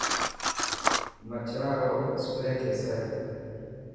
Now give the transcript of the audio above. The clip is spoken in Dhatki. مڇران رو اسپري ٿيسي.